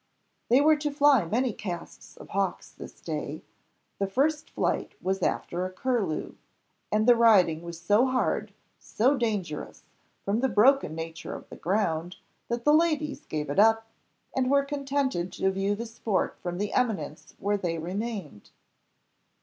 They were to fly many castes of hawks this day; the first flight was after a curlew; and the riding was so hard, so dangerous, from the broken nature of the ground, that the ladies gave it up, and were contented to view the sport from the eminence where they remained.